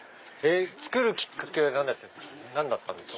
作るきっかけは何だったんですか？